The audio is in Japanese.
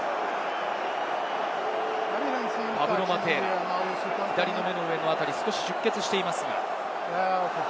パブロ・マテーラ、左の目の上の辺りを少し出血しています。